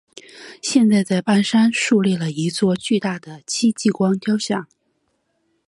现在在半山竖立了一座巨大的戚继光雕像。